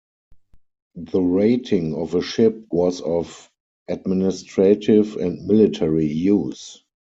The rating of a ship was of administrative and military use.